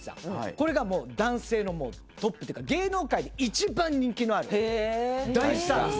これがもう男性のトップというか芸能界で一番人気のある大スターです。